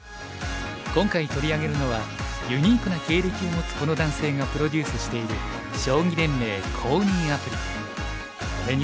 今回取り上げるのはユニークな経歴を持つこの男性がプロデュースしているが込められています。